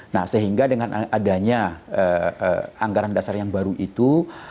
nah sehingga dengan adanya anggaran dasar yang baru itu